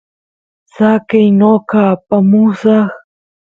saqey noqa apamusaq